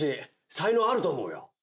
才能あると思うよ